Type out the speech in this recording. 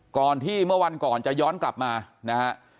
ก่อนที่เมื่อวันก่อนจะย้อนกลับมานะฮะ